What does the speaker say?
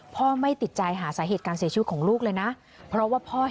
ไม่ติดใจหาสาเหตุการเสียชีวิตของลูกเลยนะเพราะว่าพ่อ